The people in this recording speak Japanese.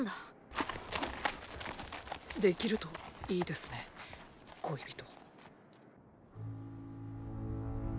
できるといいですね恋人。